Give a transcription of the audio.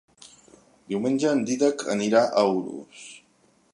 Diumenge en Dídac anirà a Urús.